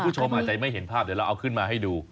คุณผู้ชมอาจจะไม่เห็นภาพเดี๋ยวเราเอาขึ้นมาให้ดู